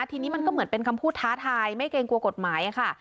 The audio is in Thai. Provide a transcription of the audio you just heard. ทีนี้มันก็เหมือนเป็นคำพูดท้าทายไม่เกรงกลัวกฎหมายค่ะ